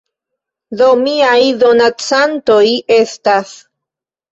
Do, miaj donacantoj estas